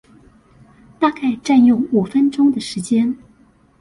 大概占用五分鐘的時間